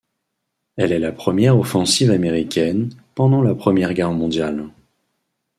Elle est la première offensive américaine, pendant la Première Guerre mondiale.